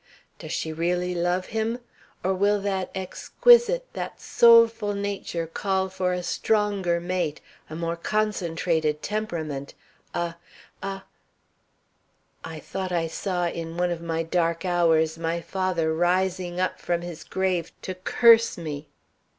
Does she really love him? Or will that exquisite, that soulful nature call for a stronger mate, a more concentrated temperament, a a "I thought I saw in one of my dark hours my father rising up from his grave to curse me.